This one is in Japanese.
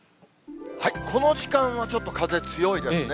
この時間はちょっと風強いですね。